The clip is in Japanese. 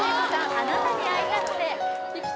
「あなたに逢いたくて」